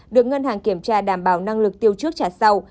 được ngân hàng kiểm tra đảm bảo năng lực tiêu trước trả sau